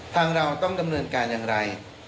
เราต้องดำเนินการอย่างไร